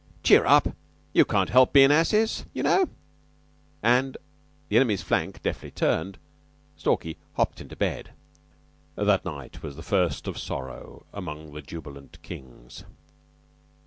Cheer up. You can't help bein' asses, you know," and, the enemy's flank deftly turned, Stalky hopped into bed. That night was the first of sorrow among the jubilant King's.